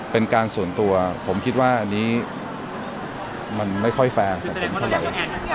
เป็นการส่วนตัวผมคิดว่าอันนี้มันไม่ค่อยแฟร์สังคมเท่าไหร่